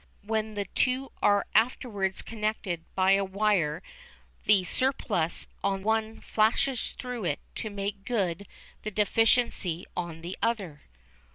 When the two are afterwards connected by a wire the surplus on one flashes through it to make good the deficiency on the other.